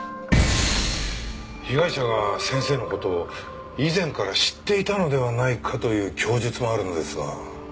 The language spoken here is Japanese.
被害者が先生の事を以前から知っていたのではないかという供述もあるのですが。